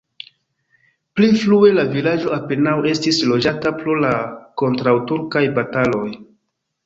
Pli frue la vilaĝo apenaŭ estis loĝata pro la kontraŭturkaj bataloj.